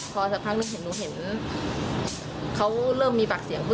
พอสักพักหนึ่งเห็นเขาเริ่มมีปรักเสียง